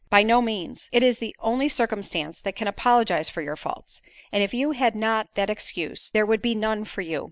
"By no means—it is the only circumstance that can apologize for your faults; and if you had not that excuse, there would be none for you."